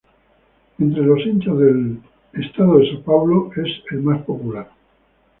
Entre los hinchas del estado de São Paulo es el más popular.